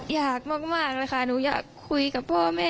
อยากมากเลยค่ะหนูอยากคุยกับพ่อแม่